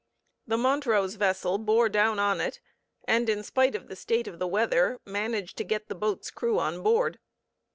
The Montrose vessel bore down on it, and in spite of the state of the weather managed to get the boat's crew on board.